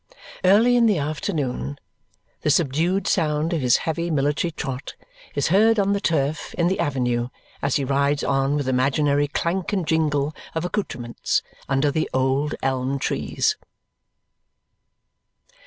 Early in the afternoon the subdued sound of his heavy military trot is heard on the turf in the avenue as he rides on with imaginary clank and jingle of accoutrements under the old elm trees.